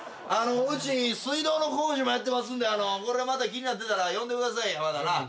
あのうち水道の工事もやってますんでこれまた気になってたら呼んでくださいまたな。